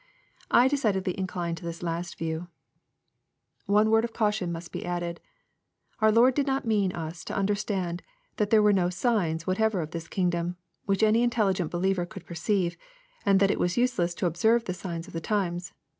I decidedly incline to this last view. One word of caution must be added. Our Lord did not mean us to understand, that there were no " signs" whatever of this kingdom, which any intelligent believer could perceive, and that it was useless to observe the signs of the times.